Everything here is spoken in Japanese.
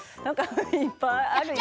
いっぱいあるよ。